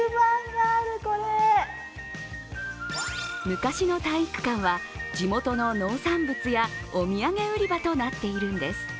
昔の体育館は地元の農産物やお土産売り場となっているのです。